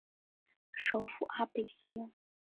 首府阿贝歇。